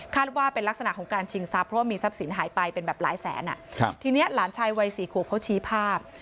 ว่าเป็นลักษณะของการชิงทรัพย์เพราะว่ามีทรัพย์สินหายไปเป็นแบบหลายแสนทีนี้หลานชายวัยสี่ขวบเขาชี้ภาพ